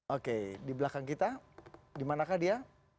oke di belakang kita dimanakah dia